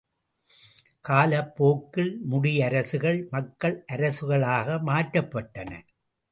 காலப்போக்கில் முடியரசுகள் மக்கள் அரசுகளாக மாற்றப்பட்டன.